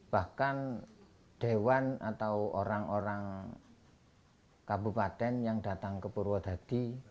bahkan dewan atau orang orang kabupaten yang datang ke purwodadi